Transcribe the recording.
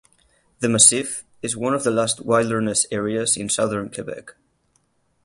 The massif is one of the last wilderness areas in southern Quebec.